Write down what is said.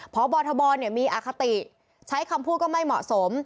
เพราะบอร์ทบอลมีอคติใช้คำพูดก็ไม่เหมาะสม